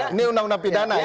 ini undang undang pidana